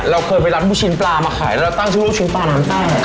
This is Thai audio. เราเคยไปรับลูกชิ้นปลามาขายเราตั้งชื่อลูกชิ้นปลาน้ำใต้